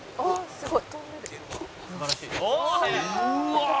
「すごい！」